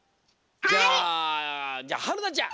じゃあじゃあはるなちゃん。